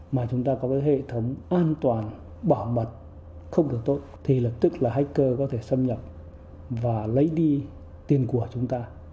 mà chúng ta có cái hệ thống an toàn bảo mật không được tốt thì lập tức là hacker có thể xâm nhập và lấy đi tiền của chúng ta